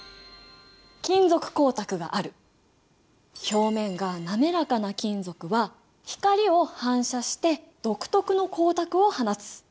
表面が滑らかな金属は光を反射して独特の光沢を放つ。